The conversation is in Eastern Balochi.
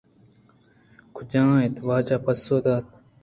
کجا اِنت؟ واجہ ءَ پسو دات